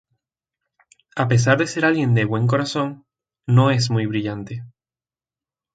A pesar de ser alguien de buen corazón, no es muy brillante.